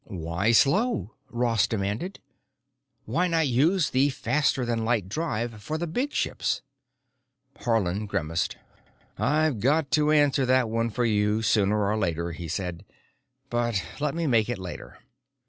"Why slow?" Ross demanded. "Why not use the faster than light drive for the big ships?" Haarland grimaced. "I've got to answer that one for you sooner or later," he said, "but let me make it later.